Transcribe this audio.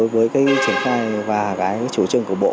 về triển khai và cái chủ trương của bộ